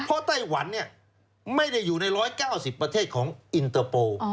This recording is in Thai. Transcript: เพราะไต้หวันไม่ได้อยู่ใน๑๙๐ประเทศของอินเตอร์โปร์